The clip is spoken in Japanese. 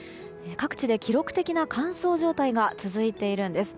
各地で記録的な乾燥状態が続いているんです。